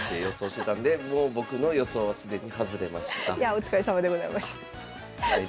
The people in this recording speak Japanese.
お疲れさまでございました。